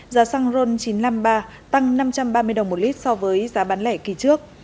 giá xăng ron chín trăm năm mươi ba tăng năm trăm ba mươi đồng một lít so với giá bán lẻ kỳ trước